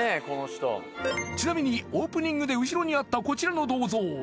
この人ちなみにオープニングで後ろにあったこちらの銅像